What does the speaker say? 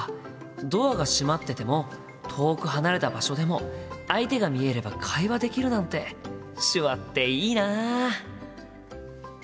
ドアが閉まってても遠く離れた場所でも相手が見えれば会話できるなんて手話っていいな。